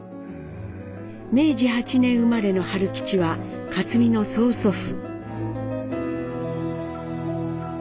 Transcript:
明治８年生まれの春吉は克実の曽祖父。